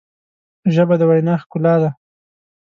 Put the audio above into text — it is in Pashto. ژبه د وینا ښکلا ده